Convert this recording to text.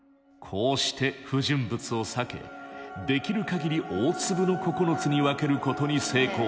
こうして不純物を避けできるかぎり大粒の９つに分けることに成功。